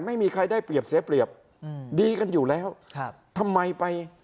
ไม่มีใครได้เปรียบเสียเปรียบอืมดีกันอยู่แล้วครับทำไมไป